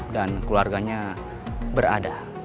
dan keluarganya berada